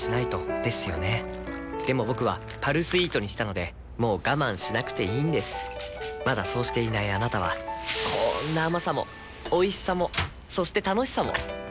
僕は「パルスイート」にしたのでもう我慢しなくていいんですまだそうしていないあなたはこんな甘さもおいしさもそして楽しさもあちっ。